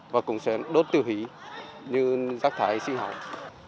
và cũng sẽ đốt tiêu hủy như rác thải sinh học